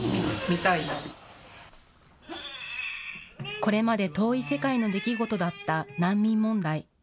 これまで遠い世界の出来事だった難民問題。